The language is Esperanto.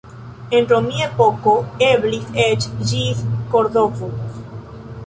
En romia epoko eblis eĉ ĝis Kordovo.